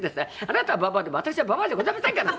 あなたはババアでも私はババアじゃございませんから！”